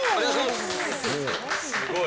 すごい。